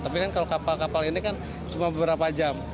tapi kan kalau kapal kapal ini kan cuma beberapa jam